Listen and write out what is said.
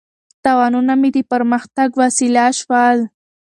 تاوانونه مې د پرمختګ وسیله شول.